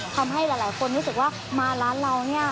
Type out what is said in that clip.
ทำให้หลายคนรู้สึกว่ามาร้านเราเนี่ย